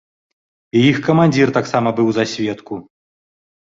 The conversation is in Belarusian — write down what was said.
І іх камандзір таксама быў за сведку.